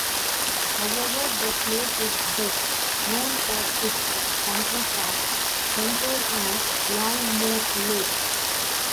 However, the place is best known for its Country Park, centred on Longmoor Lake.